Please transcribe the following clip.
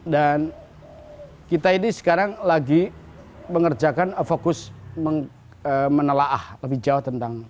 dan kita ini sekarang lagi mengerjakan fokus menelaah lebih jauh tentang